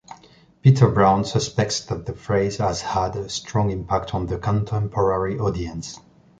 Peter Brown suspects that the phrase has had a strong impact on the contemporary audience.